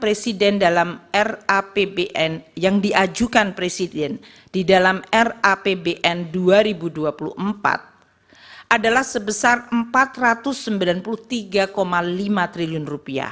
presiden dalam rapbn yang diajukan presiden di dalam rapbn dua ribu dua puluh empat adalah sebesar rp empat ratus sembilan puluh tiga lima triliun